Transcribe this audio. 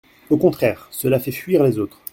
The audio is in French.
Au contraire, cela fait fuir les autres.